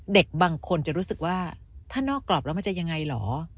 เด็กบางคนจะรู้สึกว่าถ้านอกกรอบแล้วมันจะยังไงเหรอ